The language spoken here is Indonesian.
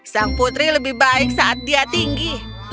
sang putri lebih baik saat dia tinggi